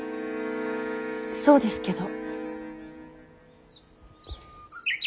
そうですけど。